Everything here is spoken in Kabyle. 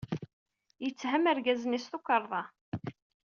Yetthem argaz-nni s tukerḍa.